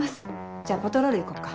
じゃあパトロール行こっか。